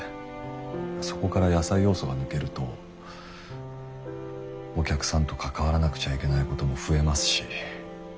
そこから野菜要素が抜けるとお客さんと関わらなくちゃいけないことも増えますし。